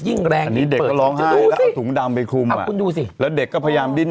ยิ่งแรงยิ่งเปิด